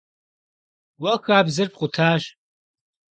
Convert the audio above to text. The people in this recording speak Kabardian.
Уэ хабзэр пкъутащ.